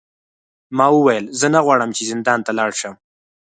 ما وویل زه نه غواړم چې زندان ته لاړ شم.